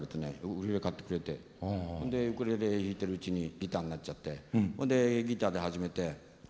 ウクレレ買ってくれてそんでウクレレ弾いてるうちにギターになっちゃってそんでギターで始めてそ